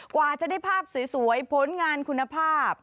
กว่าจะได้ภาพสวยผลงานคุณภาพ